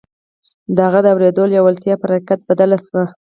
د هغه د اورېدو لېوالتیا پر حقيقت بدله شوه.